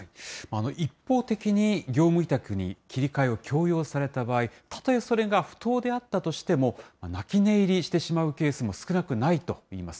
一方的に業務委託に切り替えを強要された場合、たとえ、それが不当であったとしても、泣き寝入りしてしまうケースも少なくないといいます。